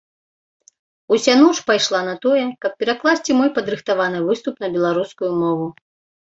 Уся ноч пайшла на тое, каб перакласці мой падрыхтаваны выступ на беларускую мову.